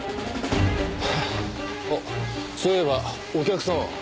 あっそういえばお客様は？